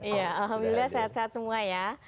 iya alhamdulillah sehat sehat semua ya